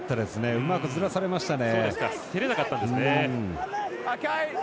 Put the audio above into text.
うまく、ずらされましたね。